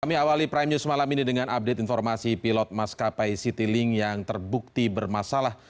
kami awali prime news malam ini dengan update informasi pilot maskapai citylink yang terbukti bermasalah